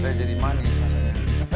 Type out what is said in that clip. jadi asing manis mau rasa sih